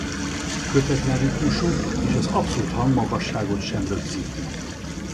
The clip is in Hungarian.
Kötetlen ritmusú és az abszolút hangmagasságot sem rögzíti.